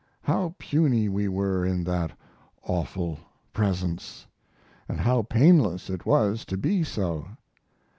How puny we were in that awful Presence, and how painless it was to be so!